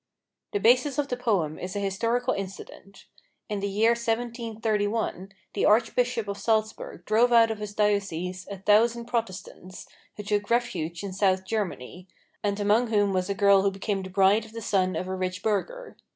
The basis of the poem is a historical incident. In the year 1731 the Archbishop of Salzburg drove out of his diocese a thousand Protestants, who took refuge in South Germany, and among whom was a girl who became the bride of the son of a rich burgher.